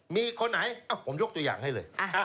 มีคนไหนผมยกตัวอย่างให้เลย